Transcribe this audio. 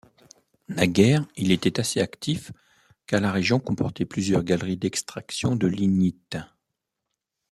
Naguère, il était assez actif car la région comportait plusieurs galeries d'extraction du lignite.